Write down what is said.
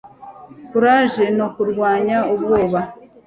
courage ni ukurwanya ubwoba